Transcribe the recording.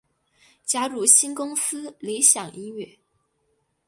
加入新公司理响音乐。